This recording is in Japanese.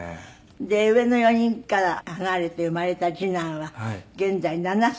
で上の４人から離れて生まれた次男は現在７歳。